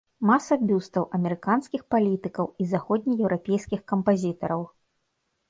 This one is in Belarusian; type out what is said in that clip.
Маса бюстаў амерыканскіх палітыкаў і заходнееўрапейскіх кампазітараў.